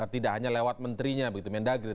tidak hanya lewat menterinya begitu mendagri